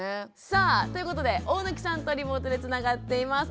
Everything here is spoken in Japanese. さあということで大貫さんとリモートでつながっています。